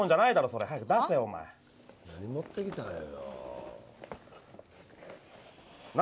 それ早く出せお前何持ってきたんよ